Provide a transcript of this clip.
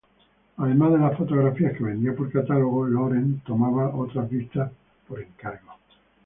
Además de las fotografías que vendía por catálogo, Laurent tomaba otras vistas por encargo.